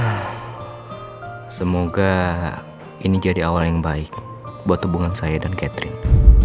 semoga ini jadi awal yang baik buat hubungan saya dan catherine